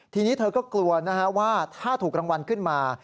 ทีนี้เธอก็กลัวนะฮะว่าถ้าถูกรางวัลขึ้นมา